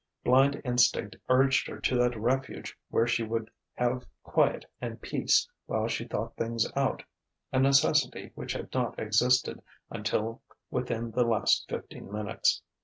Blind instinct urged her to that refuge where she would have quiet and peace while she thought things out: a necessity which had not existed until within the last fifteen minutes.